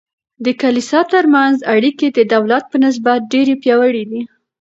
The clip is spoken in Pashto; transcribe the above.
د کلیسا ترمنځ اړیکې د دولت په نسبت ډیر پیاوړي دي.